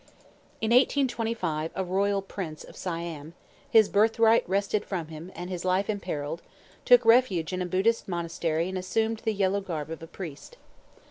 In 1825 a royal prince of Siam (his birthright wrested from him, and his life imperilled) took refuge in a Buddhist monastery and assumed the yellow garb of a priest.